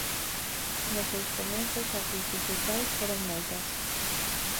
Nos seus comezos as dificultades foron moitas.